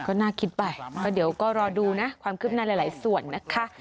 ก็น่าคิดไปก็เดี๋ยวก็รอดูนะความคืบหน้าหลายส่วนนะคะ